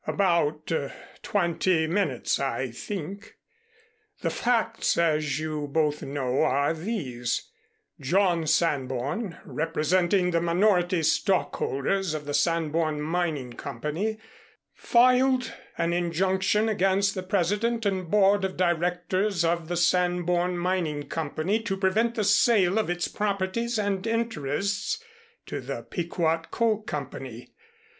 "About twenty minutes, I think. The facts, as you both know, are these: John Sanborn, representing the minority stockholders of the Sanborn Mining Company, filed an injunction against the President and Board of Directors of the Sanborn Mining Company to prevent the sale of its properties and interests to the Pequot Coal Company.